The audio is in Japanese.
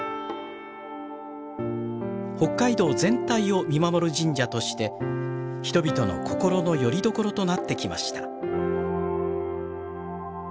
北海道全体を見守る神社として人々の心のよりどころとなってきました。